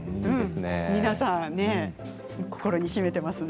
皆さん、心に秘めていますね。